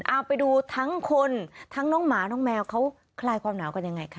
เอาไปดูทั้งคนทั้งน้องหมาน้องแมวเขาคลายความหนาวกันยังไงคะ